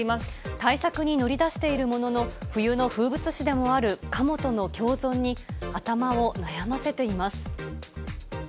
対策に乗り出しているものの、冬の風物詩でもあるカモとの共存に、頭を悩ませています。